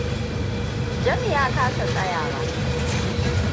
Jami ya kasa tsayawa.